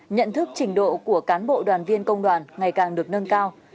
nhận thức trình độ của cán bộ đoàn viên công đoàn ngày càng được nâng cao